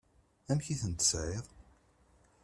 Amek i ten-tesεiḍ?